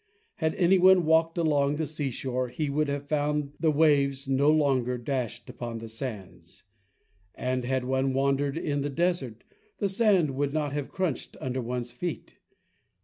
Had any one walked along the seashore, he would have found that the waves no longer dashed upon the sands; and had one wandered in the desert, the sand would not have crunched under one's feet.